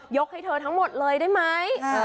ให้เธอทั้งหมดเลยได้ไหม